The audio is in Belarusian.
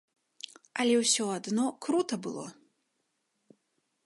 Але ўсё адно крута было.